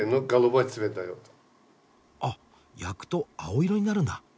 あっ焼くと青色になるんだ。